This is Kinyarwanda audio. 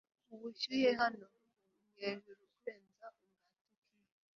Ubushyuhe hano buri hejuru kurenza ubwa Tokiyo